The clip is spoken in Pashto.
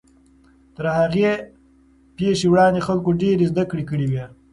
تر هغې پیښې وړاندې خلکو ډېرې زدهکړې کړې وې.